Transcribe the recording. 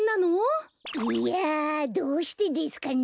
いやどうしてですかね？